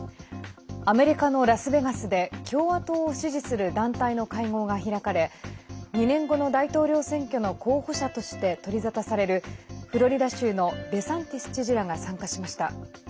アメリカのラスベガスで共和党を支持する団体の会合が開かれ２年後の大統領選挙の候補者として取り沙汰されるフロリダ州のデサンティス知事らが参加しました。